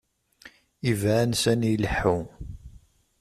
Iban sani ileḥḥu..